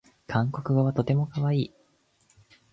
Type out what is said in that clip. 韓国語はとてもかわいい